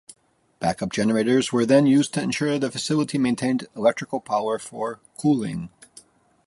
Backup generators were then used to ensure the facility maintained electrical power for cooling.